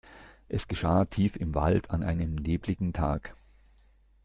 Es geschah tief im Wald an einem nebeligen Tag.